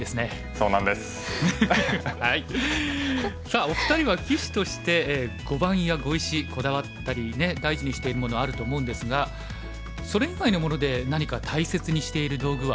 さあお二人は棋士として碁盤や碁石こだわったりね大事にしているものあると思うんですがそれ以外のもので何か大切にしている道具はありますか？